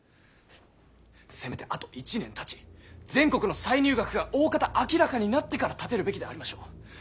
せめてあと１年たち全国の歳入額がおおかた明らかになってから立てるべきでありましょう。